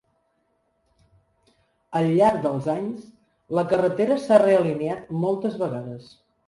Al llarg dels anys, la carretera s'ha realineat moltes vegades.